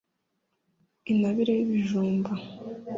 intabire y'ibijumba